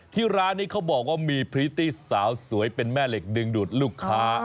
ที่ร้านนี้เขาบอกว่ามีพริตตี้สาวสวยเป็นแม่เหล็กดึงดูดลูกค้า